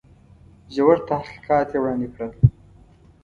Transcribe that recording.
ژور تحقیقات یې وړاندي کړل.